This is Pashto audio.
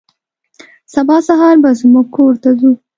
سبا سهار به زموږ کور ته ځو.